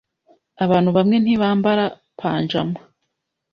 Abantu bamwe ntibambara pajama.